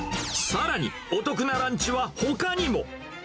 さらに、お得なランチはほかにも。